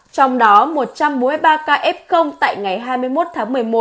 trong đó một trăm bốn mươi ba ca ép không tại ngày hai mươi một tháng một mươi một